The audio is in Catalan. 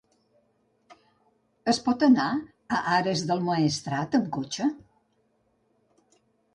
Es pot anar a Ares del Maestrat amb cotxe?